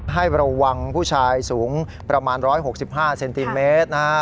ให้ระวังผู้ชายสูงประมาณ๑๖๕เซนติเมตรนะฮะ